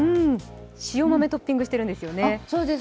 塩豆、トッピングしてるんですよね。